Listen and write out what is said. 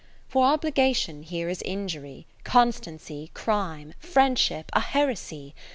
For Obligation here is Injury, Constancy Crime, Friendship a Heresy.